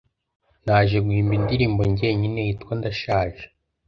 naje guhimba indirimbo ngenyine yitwa “Ndashaje